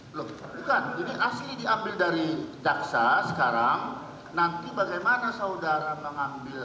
belum bukan ini asli diambil dari jaksa sekarang nanti bagaimana saudara mengambil